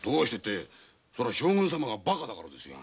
将軍様がバカだからですよ。